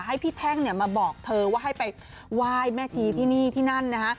ให้พี่แท่งเนี่ยมาบอกเธอว่าให้ไปไหว้แม่ชีที่นี่ที่นั่นนะฮะ